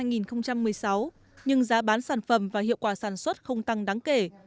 nhưng giá bán sản phẩm và hiệu quả sản xuất không tăng đáng kể